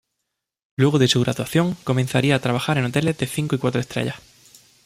Luego de su graduación, comenzaría a trabajar en hoteles de cinco y cuatro estrellas.